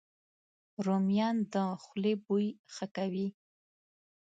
رومیان د خولې بوی ښه کوي